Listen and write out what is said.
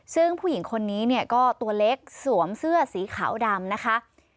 ซึ่งผู้หญิงคนนี้เนี่ยก็ตัวเล็กสวมเสื้อสีขาวดำนะคะ